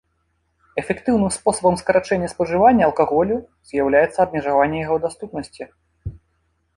Эфектыўным спосабам скарачэння спажывання алкаголю з'яўляецца абмежаванне яго даступнасці.